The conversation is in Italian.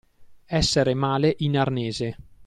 Essere male in arnese.